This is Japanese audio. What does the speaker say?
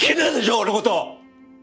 俺のこと！